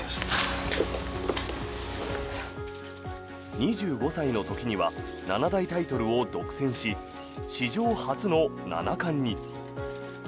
２５歳の時には七大タイトルを独占し史上初の七冠に。